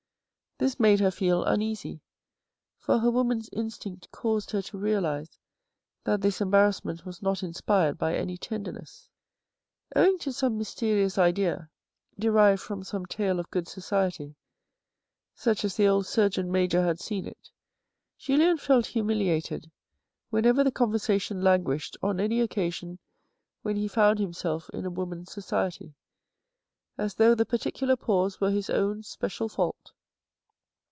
This made her feel un easy, for her woman's instinct caused her to realise that this embarrassment was not inspired by any tenderness. Owing to some mysterious idea, derived from some tale of good society, such as the old Surgeon Major had seen it, Julien felt humiliated whenever the conversation languished on any occasion when he found himself in a woman's society, as though the particular pause were his own special fault.